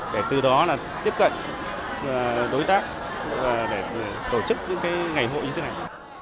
để từ đó là tiếp cận đối tác để tổ chức những ngày hội như thế này